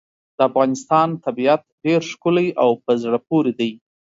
د افغانستان طبیعت ډېر ښکلی او په زړه پورې دی.